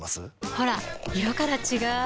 ほら色から違う！